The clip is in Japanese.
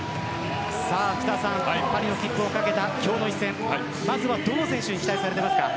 パリの切符を懸けた今日の一戦まずはどの選手に期待されてますか。